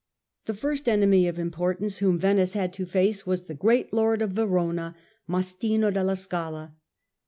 The first enemy of importance, whom Venice had to face, was the great lord of Verona, War with Mastino della Scala.